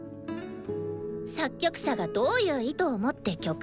「作曲者がどういう意図を持って曲を書いたか」